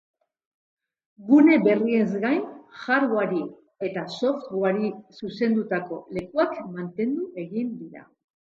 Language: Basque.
Gune berriez gain, hardaware-i eta software-i zuzendutako lekuak mantendu egin dira.